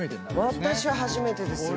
私は初めてですね。